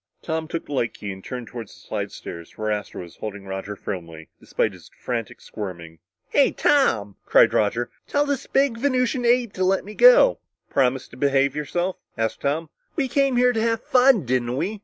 Tom took the light key and turned toward the slidestairs where Astro was holding Roger firmly, despite his frantic squirming. "Hey, Tom," cried Roger, "tell this Venusian ape to let me go!" "Promise to behave yourself?" asked Tom. "We came here to have fun, didn't we?"